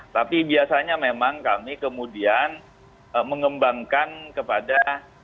tapi biasanya memang kami kemudian mengembangkan kepada